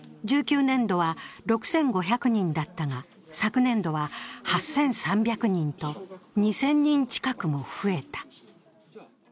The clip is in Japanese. １９年度は６５００人だったが、昨年度は８３００人と２０００人近くも増えた。